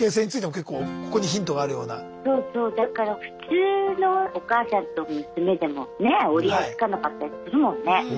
だから普通のお母さんと娘でもねえ折り合いつかなかったりするもんね。